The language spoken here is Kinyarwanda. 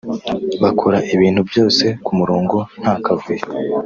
bakora ibintu byose ku murongo nta kavuyo